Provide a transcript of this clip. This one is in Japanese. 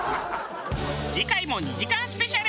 次回も２時間スペシャル。